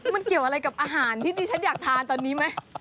มันเกี่ยวอะไรกับอาหารที่ดิฉันอยากทานตอนนี้ไหม